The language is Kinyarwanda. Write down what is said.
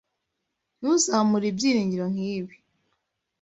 Ntuzamure ibyiringiro nkibi.